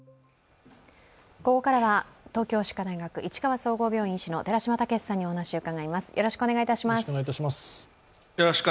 ここからは東京歯科大学市川総合病院医師の寺嶋毅さんにお話を伺います。